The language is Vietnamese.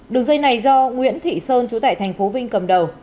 đường dây này do nguyễn thị sơn chủ tại thành phố vinh cầm đầu